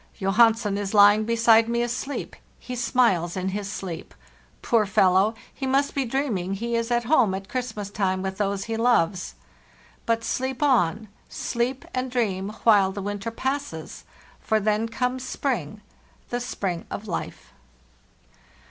" Johansen 1s lying beside me asleep; he smiles in his sleep. Poor fellow! he must be dreaming he is at home at Christmas time with those he loves. But sleep on— sleep and dream, while the winter passes; for then comes spring—the spring of life